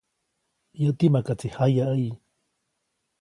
Yäti makaʼtsi jayaʼäyi.